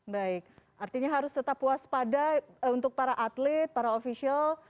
baik artinya harus tetap waspada untuk para atlet para ofisial